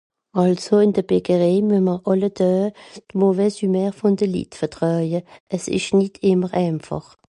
Dans la boulangerie nous devons supporter tous les jours la mauvaise humeur des clients C est pas toujours facile